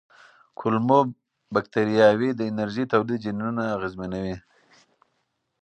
کولمو بکتریاوې د انرژۍ تولید جینونه اغېزمنوي.